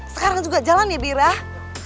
sekarang juga jalan ya birah